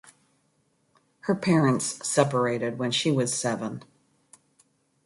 Her parents separated when she was seven.